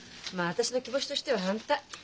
私の気持ちとしては反対。